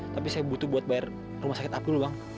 tapi saya butuh buat bayar rumah sakit abdul bang